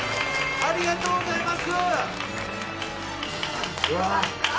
ありがとうございます。